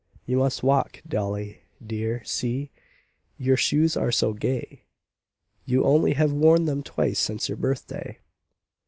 "You must walk, dolly, dear; see, your shoes are so gay; You only have worn them twice since your birthday.